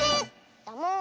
だもん。